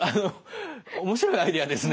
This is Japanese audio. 面白いアイデアですね。